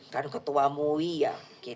kan ketua mui ya